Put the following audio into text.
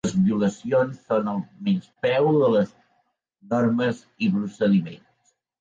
Les violacions són el menyspreu de les normes i procediments.